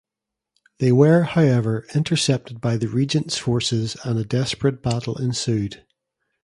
They were, however, intercepted by the regent's forces, and a desperate battle ensued.